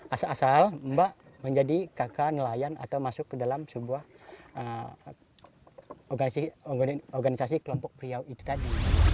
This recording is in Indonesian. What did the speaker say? asal asal mbak menjadi kakak nelayan atau masuk ke dalam sebuah organisasi kelompok pria itu tadi